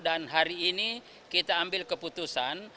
dan hari ini kita ambil keputusan